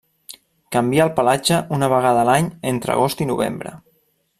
Canvia el pelatge una vegada a l'any entre agost i novembre.